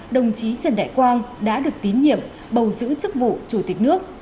đồng chí trần đại quang đã được tín nhiệm bầu giữ chức vụ chủ tịch nước